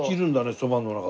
そばの中で。